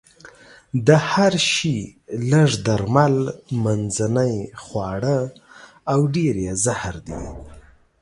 د هر شي لږ درمل، منځنۍ خواړه او ډېر يې زهر دي.